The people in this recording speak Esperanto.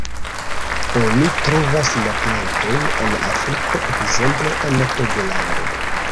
Oni trovas la plantojn en Afriko ekzemple en Togolando.